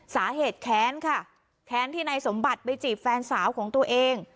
แค้นค่ะแค้นที่นายสมบัติไปจีบแฟนสาวของตัวเอง